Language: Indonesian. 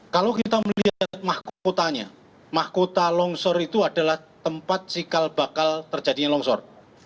kalau kita melihat mahkotanya mahkota longsor itu adalah tempat sikal bakal terjadinya longsor